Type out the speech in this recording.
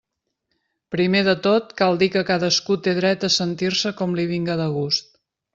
Primer de tot cal dir que cadascú té dret de sentir-se com li vinga de gust.